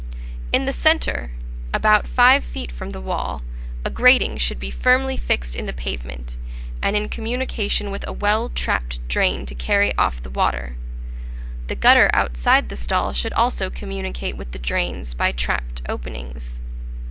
In the centre, about five feet from the wall, a grating should be firmly fixed in the pavement, and in communication with a well trapped drain to carry off the water; the gutter outside the stall should also communicate with the drains by trapped openings.